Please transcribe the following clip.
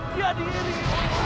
dia pasti aman